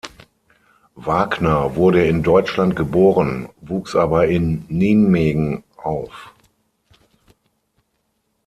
Wagner wurde in Deutschland geboren, wuchs aber in Nijmegen auf.